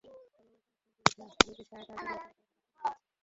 বরং অপরাধীদের বিরুদ্ধে ব্যবস্থা নিতে সহায়তার জন্য পুলিশের হাতে তুলে দিয়েছে।